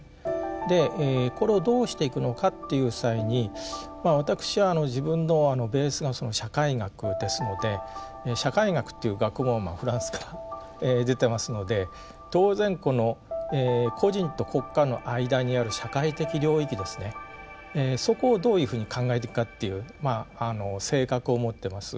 でこれをどうしていくのかという際に私は自分のベースが社会学ですので社会学っていう学問はフランスから出てますので当然この個人と国家の間にある社会的領域ですねそこをどういうふうに考えていくかっていう性格を持ってます。